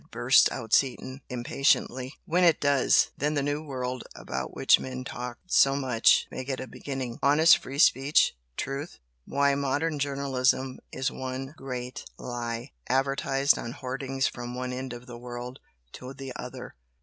burst out Seaton, impatiently "When it does, then the 'new world' about which men talk so much may get a beginning! 'Honest free speech truth!' Why, modern journalism is one GREAT LIE advertised on hoardings from one end of the world to the other!"